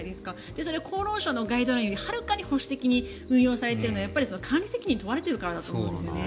それ、厚労省のガイドラインよりはるかに保守的に運用されているのはやっぱり管理責任を問われているからだと思うんですね。